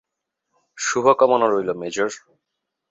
শুভকামনা রইল, মেজর।